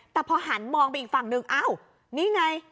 แต่พอหันมองไปอีกฝั่งหนึ่งอ้าวนี่ไง